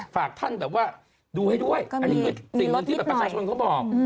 ฝากท่านแบบว่าดูให้ด้วยสิ่งหนึ่งที่ประชาชนเขาบอก